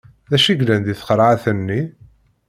D acu yellan deg tqerεet-nni?